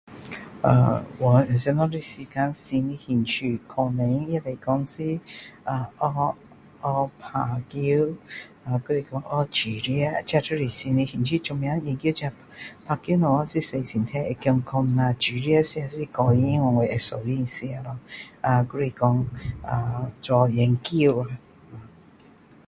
呃花什么时间什么兴趣可能也可以说是呃学打球还是说学煮饭这就是新的兴趣打球会使人健康讲下煮饭是一个个人因为我有兴趣吃咯还是说呃做研究咯